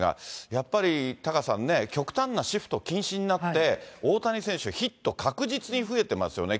やっぱりタカさんね、極端なシフト禁止になって、大谷選手、ヒット、確実に増えていますよね。